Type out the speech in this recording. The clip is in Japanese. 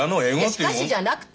しかしじゃなくて。